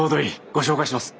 ご紹介します